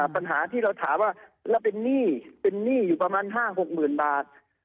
ปัญหาที่เราถามว่าแล้วเป็นหนี้เป็นหนี้อยู่ประมาณ๕๖๐๐๐บาท